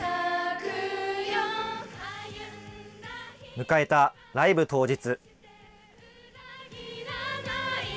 迎えたライブ当日。